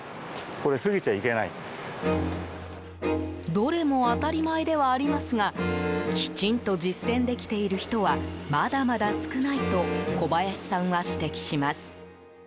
どれも当たり前ではありますがきちんと実践できている人はまだまだ少ないと小林さんは指摘します。